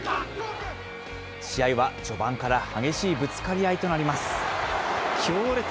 試合は序盤から激しいぶつかり合いとなります。